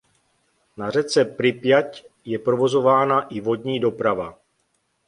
Na řece Pripjať je provozována i vodní doprava.